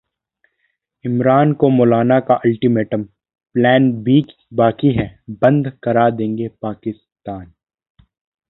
इमरान को मौलाना का अल्टीमेटम- प्लान-B बाकी है, बंद करा देंगे पाकिस्तान